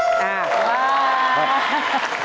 อ่าพัก